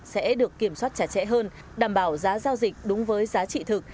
sẽ được kiểm soát chặt chẽ hơn đảm bảo giá giao dịch đúng với giá trị thực